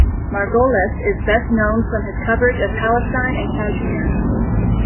Margolis is best known from his coverage of Palestine and Kashmir.